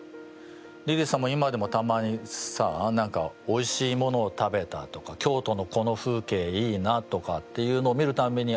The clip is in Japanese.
リリーさんも今でもたまにさ何かおいしいものを食べたとか京都のこの風景いいなあとかっていうのを見るたんびに